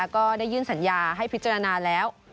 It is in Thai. ก็ได้ยื่นสัญญาให้พิจารณาแล้ว